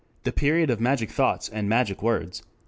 "The period of magic thoughts and magic words."